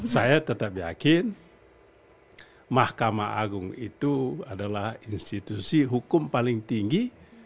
saya tetap yakin mahkamah agung itu adalah institusi hukum paling tinggi